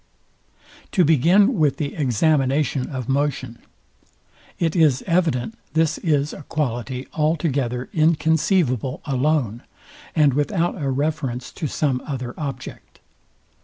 To begin with the examination of motion; it is evident this is a quality altogether inconceivable alone, and without a reference to some other object.